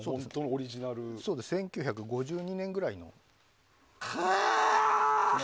１９５２年ぐらいの。